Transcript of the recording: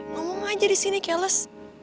ngomong aja di sini cales